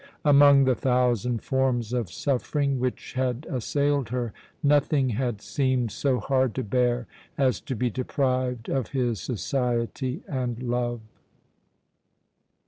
Among the thousand forms of suffering which had assailed her, nothing had seemed so hard to bear as to be deprived of his society and love.